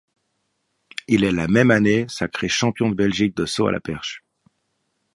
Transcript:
Il est la même année sacré champion de Belgique de saut à la perche.